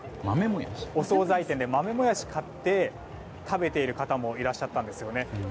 お総菜店で豆もやしを買って食べている方もいらっしゃったんです。